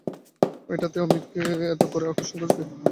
এইটেতেই অমিতকে এত করে আকর্ষণ করেছে।